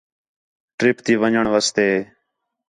ٹِرپ تی ون٘ڄݨ واسطے